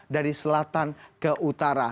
dari selatan ke utara